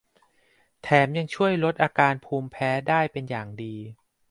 แถมยังช่วยลดอาการภูมิแพ้ได้เป็นอย่างดี